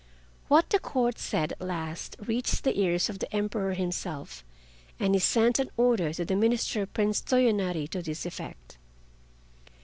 What the Court said at last reached the ears of the Emperor himself, and he sent an order to the minister Prince Toyonari to this effect.